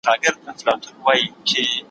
ايا ته سبزیجات جمع کوې؟